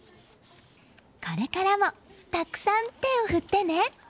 これからもたくさん手を振ってね！